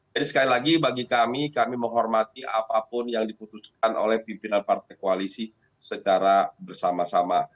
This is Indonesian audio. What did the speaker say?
jadi sekali lagi bagi kami kami menghormati apapun yang diputuskan oleh pimpinan partai koalisi secara bersama sama